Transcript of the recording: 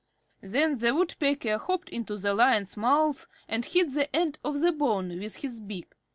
Then the Woodpecker hopped into the Lion's mouth and hit the end of the bone with his beak.